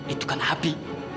itu kan api